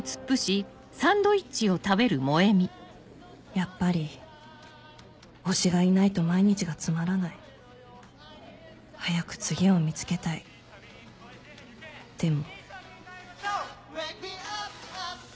やっぱり推しがいないと毎日がつまらない早く次を見つけたいでも